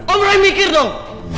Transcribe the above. om rai mikir dong